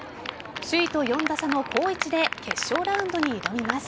首位と４打差の好位置で決勝ラウンドに挑みます。